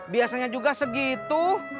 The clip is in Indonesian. biasanya juga segitu